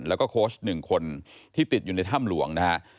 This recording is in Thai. แล้วก็โค้ช๑คนที่ติดอยู่ในถ้ำหลวงนะฮะ